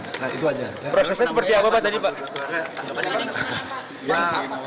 prosesnya seperti apa pak